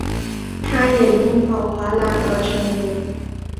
他也因宝华蓝而成名。